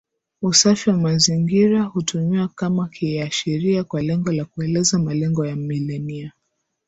Usafi wa mazingira hutumiwa kama kiashiria kwa lengo la kuelezea malengo ya Milenia